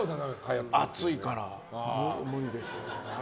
暑いから無理です。